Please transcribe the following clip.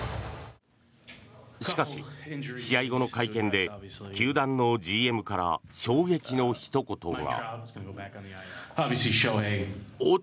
しかし、試合後の会見で球団のＧＭから衝撃のひと言が。